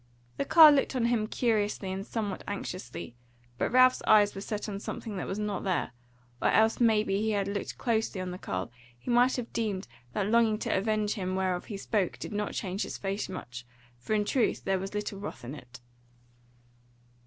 The carle looked on him curiously and somewhat anxiously, but Ralph's eyes were set on something that was not there; or else maybe had he looked closely on the carle he might have deemed that longing to avenge him whereof he spoke did not change his face much; for in truth there was little wrath in it.